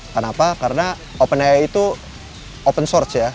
kenapa karena open nya itu open source ya